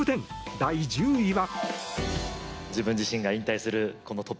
第１０位は。